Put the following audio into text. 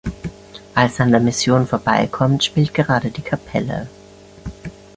Als er an der Mission vorbeikommt, spielt gerade die Kapelle.